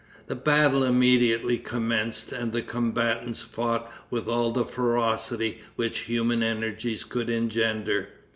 The battle immediately commenced, and the combatants fought with all the ferocity which human energies could engender.